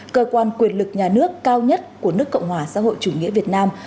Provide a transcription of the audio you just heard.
cơ quan quyền lực nhà nước cao nhất của nước cộng hòa xã hội chủ nghĩa việt nam